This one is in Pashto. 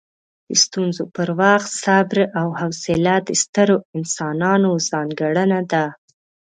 د ستونزو پر وخت صبر او حوصله د سترو انسانانو ځانګړنه ده.